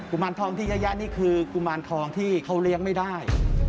มารทองที่เยอะแยะนี่คือกุมารทองที่เขาเลี้ยงไม่ได้